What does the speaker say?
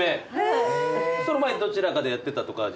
その前にどちらかでやってたとかじゃなく。